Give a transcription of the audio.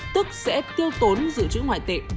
tức sẽ tiêu tốn giữ chữ ngoại tệ